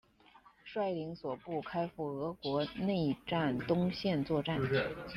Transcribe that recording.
率领所部开赴俄国内战东线作战。